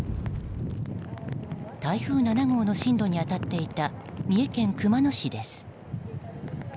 台風７号の進路に当たっていた三重県熊野市です。